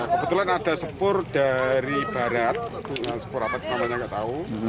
kebetulan ada sepur dari barat sepur apa tidak banyak yang tahu